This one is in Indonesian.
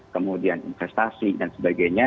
kemudian investasi dan sebagainya